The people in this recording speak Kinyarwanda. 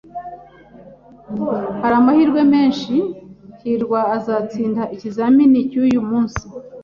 Hari amahirwe menshi hirwa azatsinda ikizamini cyuyu munsi.